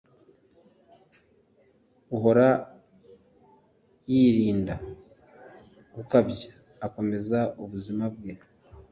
uhora yirinda gukabya, akomeza ubuzima bwe